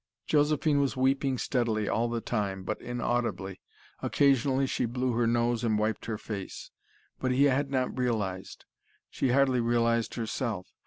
Josephine was weeping steadily all the time, but inaudibly. Occasionally she blew her nose and wiped her face. But he had not realized. She hardly realized herself.